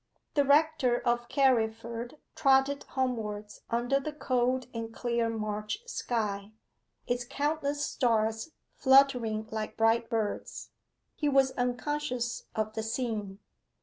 The rector of Carriford trotted homewards under the cold and clear March sky, its countless stars fluttering like bright birds. He was unconscious of the scene.